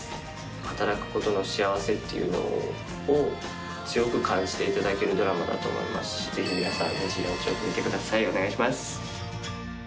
働くことの幸せっていうのを、強く感じていただけるドラマだと思いますし、ぜひ皆さん、虹色のチョーク、見てください、お願いします。